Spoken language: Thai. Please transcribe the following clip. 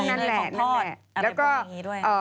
นั่นแหละแล้วก็